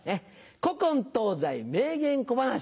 古今東西名言小噺。